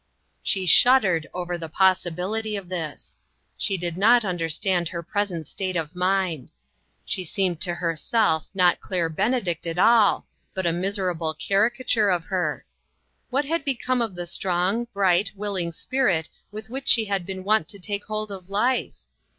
She shuddered over the possibility of this. She did not understand her present state of mind. She seemed to herself not Claire Benedict at all, but a miserable caricature of her. What had become of the strong, bright, willing spirit with which she had been wont to take hold of life